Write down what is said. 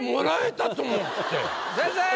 先生！